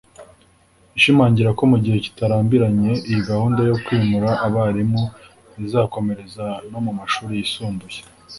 ishimangira ko mu gihe kitarambiranye iyi gahunda yo kwimura abarimu izakomereza no mu mashuri yisumbuye